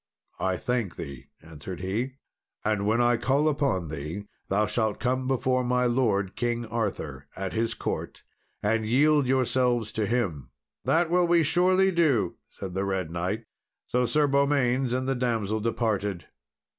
"I thank thee," answered he; "and when I call upon thee thou shalt come before my lord King Arthur at his court, and yield yourselves to him." "That will we surely do," said the Red Knight. So Sir Beaumains and the damsel departed.